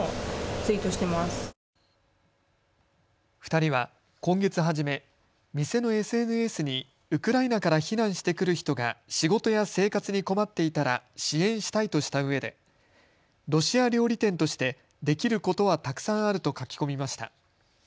２人は今月初め、店のＳＮＳにウクライナから避難してくる人が仕事や生活に困っていたら支援したいとしたうえでロシア料理店としてできることはたくさんあると書き込みました。